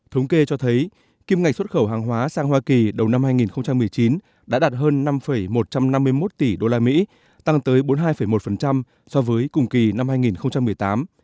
thống kê cho thấy kim ngạch xuất khẩu hàng hóa sang hoa kỳ đầu năm hai nghìn một mươi chín đã đạt hơn năm một trăm năm mươi một tỷ usd tăng tới bốn mươi hai một so với cùng kỳ năm hai nghìn một mươi tám